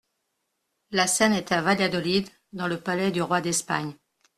La scène est à Valladolid, dans le palais du roi d’Espagne.